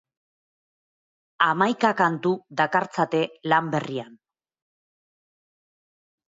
Hamaika kantu dakartzate lan berrian.